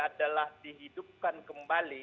adalah dihidupkan kembali